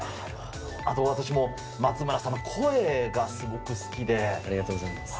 あの私も松村さんの声がすごありがとうございます。